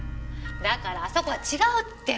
だからあそこは違うって。